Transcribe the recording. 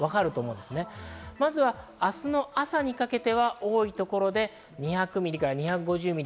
まずは明日の朝にかけて多いところで２００ミリから２５０ミリ。